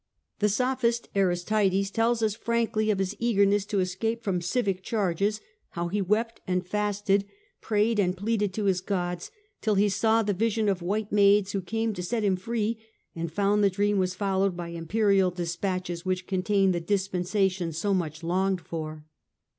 The sophist Aristides tells us frankly of his eagerness to escape from civic charges, how he wept and fasted, prayed and pleaded to his gods, till he saw the vision of white maids who came to set him free, and found the dream was followed by imperial despatches which contained the dispensation so much longed for.